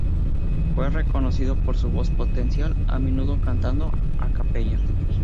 Fue reconocido por su voz potencial, a menudo cantando a capella.